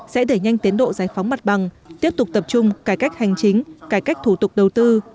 sẽ đẩy nhanh tiến độ giải phóng mặt bằng tiếp tục tập trung cải cách hành chính cải cách thủ tục đầu tư